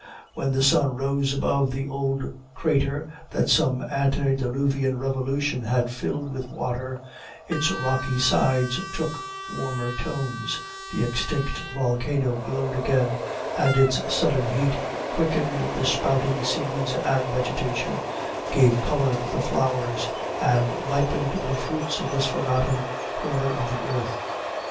When the sun rose above the old crater that some antediluvian revolution had filled with water, its rocky sides took warmer tones, the extinct volcano glowed again, and its sudden heat quickened the sprouting seeds and vegetation, gave color to the flowers, and ripened the fruits of this forgotten corner of the earth.